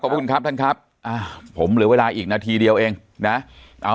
ขอบคุณครับท่านครับผมเหลือเวลาอีกนาทีเดียวเองนะ